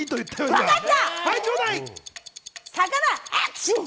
わかった！